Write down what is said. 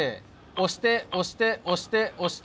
押して押して押して押して。